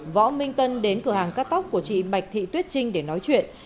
võ minh tân đến cửa hàng cắt tóc của chị bạch thị tuyết trinh để nói chuyện